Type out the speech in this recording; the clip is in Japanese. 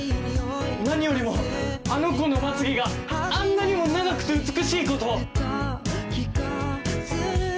何よりもあの子のまつげがあんなにも長くて美しいこと。